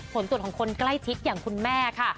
ผลตรวจของคนใกล้ชิดอย่างคุณแม่ค่ะ